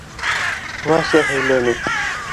— Вася һөйләне.